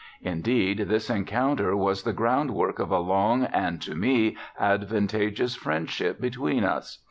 Indeed, this encounter was the groundwork of a long and to me advantageous friendship between us.